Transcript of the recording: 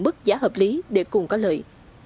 mức giá hợp lý để cùng có lợi